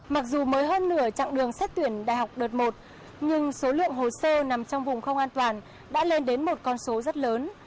mặc dù mới hơn nửa chặng đường xét tuyển đại học đợt một nhưng số lượng hồ sơ nằm trong vùng không an toàn đã lên đến một con số rất lớn